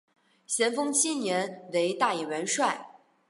咸丰七年为大元帅。